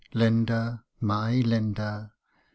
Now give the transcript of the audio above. Linda ! my Linda !